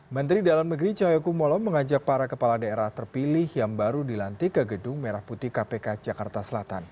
menteri dalam negeri cahaya kumolo mengajak para kepala daerah terpilih yang baru dilantik ke gedung merah putih kpk jakarta selatan